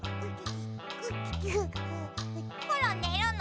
コロンねるの？